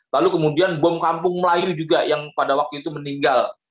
lalu kemudian bom kampung melayu juga yang pada waktu itu meninggal